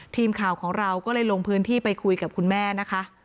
ทีมข่าวของเราก็เลยลงพื้นที่ไปคุยกับคุณแม่นะคะ